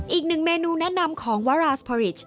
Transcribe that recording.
อีกหนึ่งเมนูแนะนำของวาราสพอริช